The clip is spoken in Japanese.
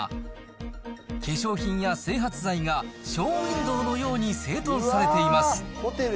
そして鏡裏収納には、化粧品や整髪剤がショーウィンドーのように整頓されています。